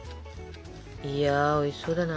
いやおいしそうだな